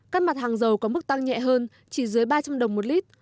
các mặt hàng dầu có mức tăng nhẹ hơn chỉ dưới ba trăm linh đồng một lít